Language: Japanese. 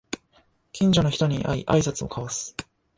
近所の人に会いあいさつを交わす